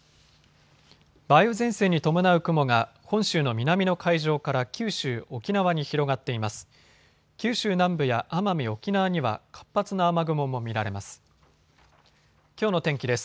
梅雨前線に伴う雲が本州の南の海上から九州、沖縄に広がっています。